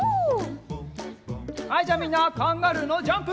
はいじゃあみんなカンガルーのジャンプ！